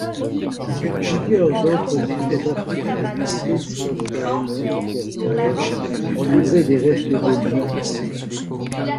Plusieurs autres sites africains du Pléistocène inférieur ont livré des restes de lion.